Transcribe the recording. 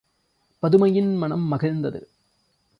பதுமையின் மனம் மகிழ்ந்தது.